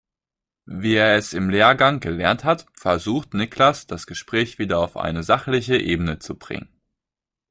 Wie er es im Lehrgang gelernt hat, versucht Niklas das Gespräch wieder auf eine sachliche Ebene zu bringen.